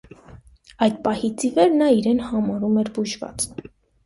Այդ պահից ի վեր նա իրեն համարում էր «բուժված»։